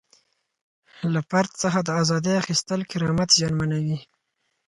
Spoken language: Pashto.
له فرد څخه د ازادۍ اخیستل کرامت زیانمنوي.